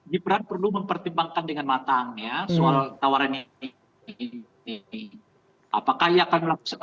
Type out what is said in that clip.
gibran perlu mempertimbangkan dengan matang ya soal tawaran ini